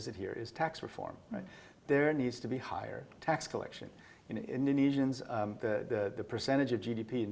sumber banyak kerja baru dan